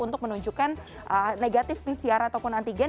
untuk menunjukkan negatif pcr ataupun antigen